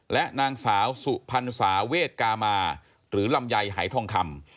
และนางสาวสุพรรณสาเวทกามาหรือลำไยหายทองคำ